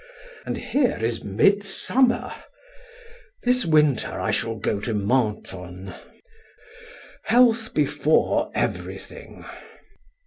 And here is midsummer! This winter I shall go to Mentone. Health before everything."